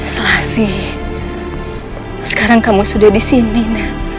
selasih sekarang kamu sudah disini nak